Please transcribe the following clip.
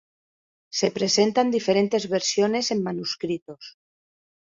Se presenta en diferentes versiones en manuscritos.